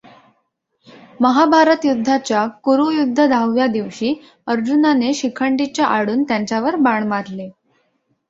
महाभारतयुद्धाच्या कुरुयद्ध दहाव्या दिवशी अर्जुनाने शिखंडीच्या आडून त्यांच्यावर बाण मारले.